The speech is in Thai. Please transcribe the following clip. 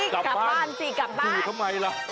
ไปไหนจะไปไหนจิกกลับบ้าน